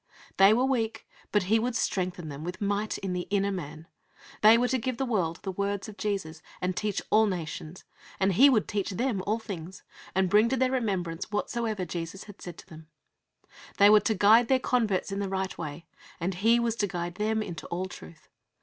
They were weak, but He would strengthen them with might in the inner man (Eph. iii. 16). They were to give the world the words of Jesus, and teach all nations (Matthew xxviii. 19, 20); and He would teach them all things, and bring to their remembrance whatsoever Jesus had said to them (John xiv. 26). They were to guide their converts in the right way, and He was to guide them into all truth (John xvi.